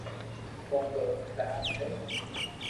ڪونڪہ وقت خراب ھي